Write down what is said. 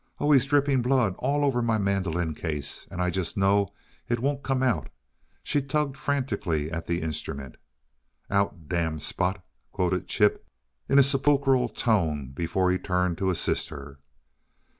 "Oh, he's dripping blood all over my mandolin case and I just know it won't come out!" She tugged frantically at the instrument. "'Out, damned spot!'" quoted Chip in a sepulchral tone before he turned to assist her.